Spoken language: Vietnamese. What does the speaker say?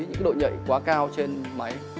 những độ nhảy quá cao trên máy